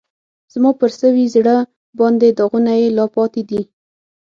زما پر سوي زړه باندې داغونه یې لا پاتی دي